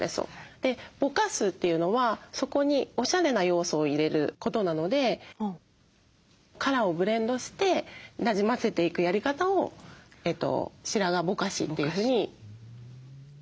でぼかすというのはそこにおしゃれな要素を入れることなのでカラーをブレンドしてなじませていくやり方を白髪ぼかしというふうにご提案させて頂いてます。